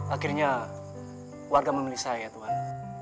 akhirnya warga memilih saya tuhan